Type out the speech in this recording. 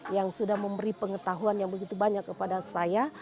yang sudah memberi pengetahuan yang begitu banyak kepada saya